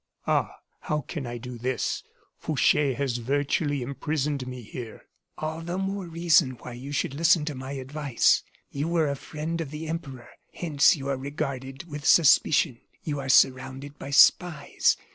"Ah! how can I do this? Fouche has virtually imprisoned me here." "All the more reason why you should listen to my advice. You were a friend of the Emperor, hence you are regarded with suspicion; you are surrounded by spies.